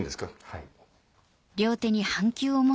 はい。